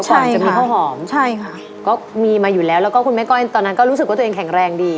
ใช่จะมีข้าวหอมใช่ค่ะก็มีมาอยู่แล้วแล้วก็คุณแม่ก้อยตอนนั้นก็รู้สึกว่าตัวเองแข็งแรงดี